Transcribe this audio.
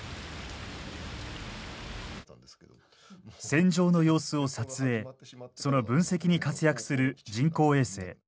戦場の様子を撮影その分析に活躍する人工衛星。